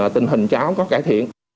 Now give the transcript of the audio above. tình hình cháu có cải thiện